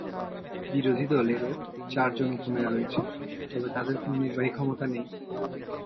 বিরোধী দলেরও চারজন উপ-মেয়র রয়েছেন, তবে তাদের কোনও নির্বাহী ক্ষমতা নেই।